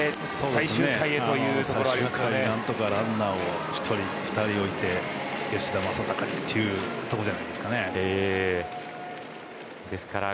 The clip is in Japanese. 最終回に何とかランナーを１人、２人置いて吉田正尚にというところじゃないですかね。